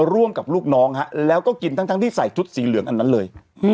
ร่วมกับลูกน้องแล้วก็กินทั้งที่ใส่ชุดสีเหลืองอันนั้นเลย